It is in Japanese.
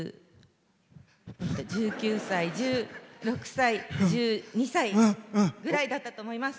１９歳１６歳１２歳ぐらいだったと思います。